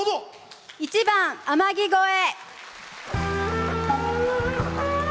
１番「天城越え」。